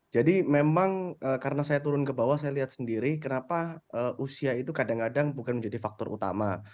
jadi memang karena saya turun ke bawah saya lihat sendiri kenapa usia itu kadang kadang bukan menjadi faktor utama